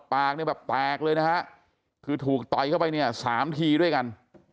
ปากเนี่ยแบบแตกเลยนะฮะคือถูกต่อยเข้าไปเนี่ย๓ทีด้วยกัน